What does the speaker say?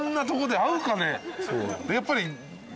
でやっぱり。